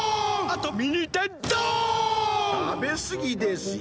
食べすぎですよ。